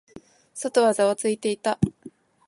外はざわついていた。